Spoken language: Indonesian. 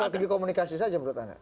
jadi teknik komunikasi saja menurut anda